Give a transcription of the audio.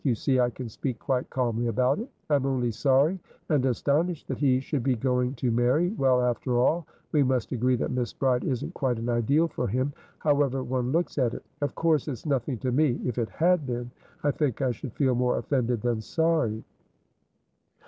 You see I can speak quite calmly about it. I'm only sorry and astonished that he should be going to marrywell, after all, we must agree that Miss Bride isn't quite an ideal for him, however one looks at it. Of course it's nothing to me. If it had been, I think I should feel more offended than sorry."